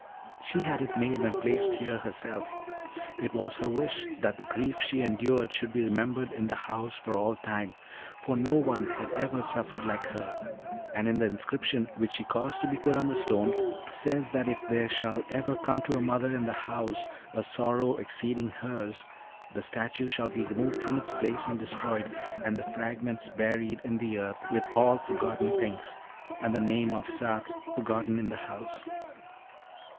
"She had it made and placed here herself. It was her wish that the grief she endured should be remembered in the house for all time, for no one had ever suffered like her; and the inscription, which she caused to be put on the stone, says that if there shall ever come to a mother in the house a sorrow exceeding hers, the statue shall be removed from its place and destroyed, and the fragments buried in the earth with all forgotten things, and the name of Isarte forgotten in the house."